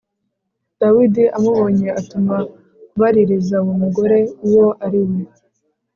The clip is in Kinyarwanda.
Dawidi amubonye atuma kubaririza uwo mugore uwo ari we.